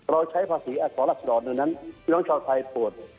เราใช้ภาษีอัตริศชอลหลักตลอดหน่อยนั้นพี่น้องชาวไทยปวด